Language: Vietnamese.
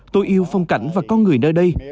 tôi yêu phong cảnh và con người nơi đây